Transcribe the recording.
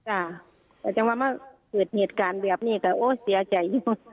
จ้าแต่จำนวนว่าหลืดหิตการแบบนี้โอ้ยเสียใจ